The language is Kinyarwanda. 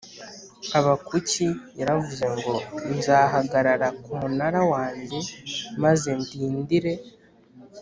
habakuki yaravuze ngo nzahagarara kumunara wanjye maze ndindire